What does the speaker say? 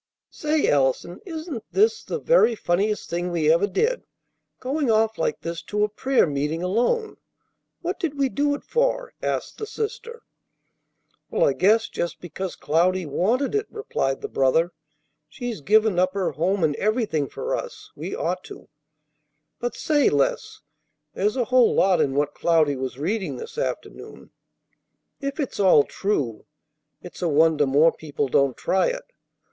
"Say, Allison, isn't this the very funniest thing we ever did, going off like this to a prayer meeting alone? What did we do it for?" asked the sister. "Well, I guess just because Cloudy wanted it," replied the brother. "She's given up her home and everything for us; we ought to. But say, Les, there's a whole lot in what Cloudy was reading this afternoon. If it's all true, it's a wonder more people don't try it.